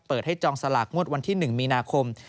ให้จองสลากงวดวันที่๑มีนาคม